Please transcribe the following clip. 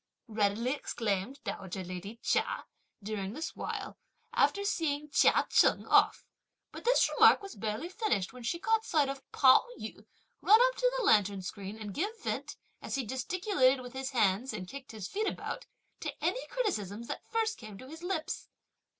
readily exclaimed dowager lady Chia, during this while, after seeing Chia Cheng off; but this remark was barely finished, when she caught sight of Pao yü run up to the lantern screen, and give vent, as he gesticulated with his hands and kicked his feet about, to any criticisms that first came to his lips.